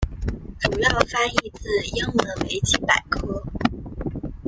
主要翻译自英文维基百科。